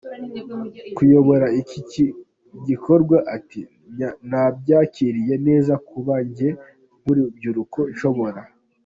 kuyobora iki gikorwa ati Nabyakiririye neza kuba jye nkurubyiruko nshobora.